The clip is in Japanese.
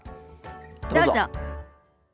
どうぞ。